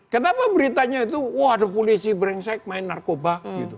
kenapa beritanya itu wah ada polisi brengsek main narkoba